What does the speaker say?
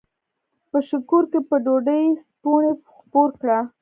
په شکور کښې په ډوډو څپُوڼے خپور کړه۔